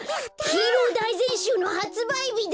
「ヒーローだいぜんしゅう」のはつばいびだ！